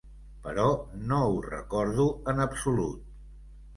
Però no ho recordo en absolut.